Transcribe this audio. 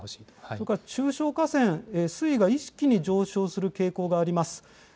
それから中小河川、水位が一気に上昇する傾向があります。